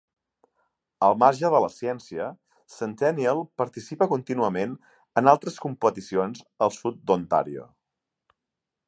Al marge de la ciència, Centennial participa contínuament en altres competicions al sud d'Ontario.